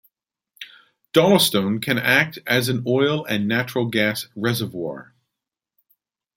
Dolostone can act as an oil and natural gas reservoir.